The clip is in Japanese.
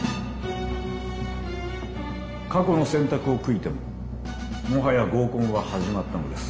過去の選択を悔いてももはや合コンは始まったのです。